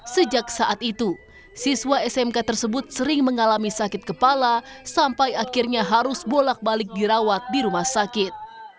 sejak saat itu siswa smk tersebut sering mengalami sakit kepala sampai akhirnya harus bolak balik dirawat di rumah sakit